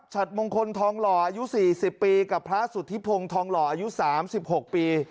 ฉัดมงคลทองหล่ออายุสี่สิบปีกับพระสุธิพงศ์ทองหล่ออายุสามสิบหกปี